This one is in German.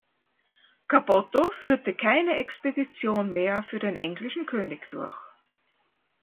Caboto führte keine Expedition mehr für den englischen König durch.